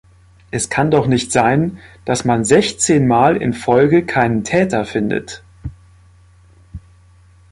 Es kann doch nicht sein, dass man sechzehn Mal in Folge keinen Täter findet.